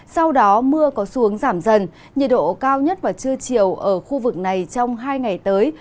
sau đó mưa có xu hướng giảm dần nhiệt độ cao nhất và trưa chiều ở khu vực này trong hai ngày tới